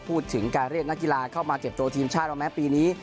พูดถึงการเรียกนักกีฬาเข้ามาเก็บตัวทีมชาติว่าแม้ปีนี้